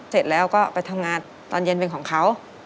เสร็จแล้วก็ไปทำงานตอนเย็นเป็นของเขา